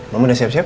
mama udah siap siap